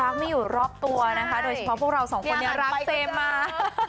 ความรักไม่อยู่รอบตัวแฟนที่ยังรักเจมมาอีกพัน